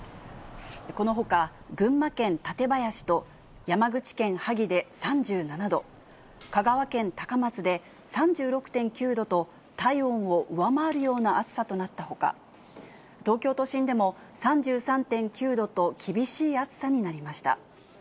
このほか、群馬県館林と、山口県萩で３７度、香川県高松で３６．９度と、体温を上回るような暑さとなったほか、東京都心でも３３．９度と、厳しい暑さになりました。